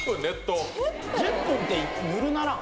１０分ってぬるうならん？